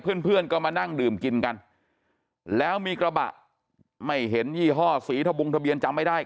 เพื่อนเพื่อนก็มานั่งดื่มกินกันแล้วมีกระบะไม่เห็นยี่ห้อสีทะบงทะเบียนจำไม่ได้